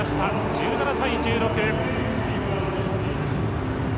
１７対１６。